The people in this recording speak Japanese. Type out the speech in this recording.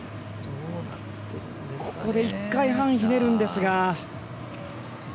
１回半ひねるんですが。